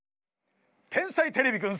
「天才てれびくん」